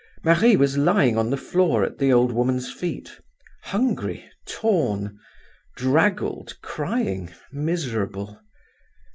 Marie was lying on the floor at the old woman's feet, hungry, torn, draggled, crying, miserable.